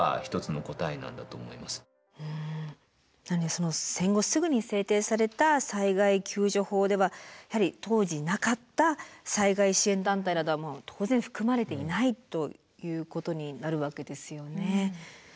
なので戦後すぐに制定された災害救助法ではやはり当時なかった災害支援団体などは当然含まれていないということになるわけですよね。